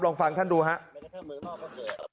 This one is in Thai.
ลองฟังท่านดูครับ